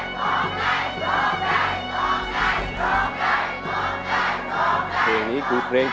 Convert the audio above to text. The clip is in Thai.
ว๊าฮิลาร์ไฟเย็มหลัง